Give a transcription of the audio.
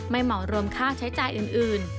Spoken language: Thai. เหมาะรวมค่าใช้จ่ายอื่น